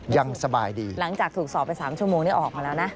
ยังสบายดีหลังจากถูกสอบไป๓ชั่วโมงนี้ออกมาแล้วนะ